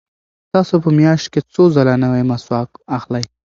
تاسو په میاشت کې څو ځله نوی مسواک اخلئ؟